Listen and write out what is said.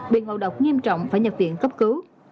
bị ngộ độc nghiêm trọng phải nhập viện cấp cứu